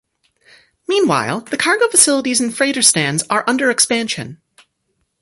Meanwhile, The cargo facilities and freighter stands are under expansion.